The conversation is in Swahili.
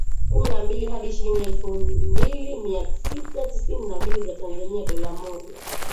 kumi na mbili hadi shilingi elfu mbili mia sita tisini na mbili za Tanzania dola moja